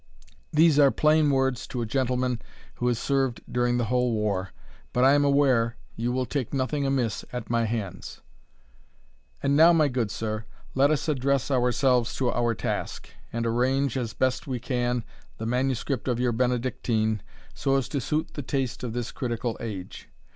These are plain words to a gentleman who has served during the whole war; but, I am aware, you will take nothing amiss at my hands. And now, my good sir, let us address ourselves to our task, and arrange, as we best can, the manuscript of your Benedictine, so as to suit the taste of this critical age.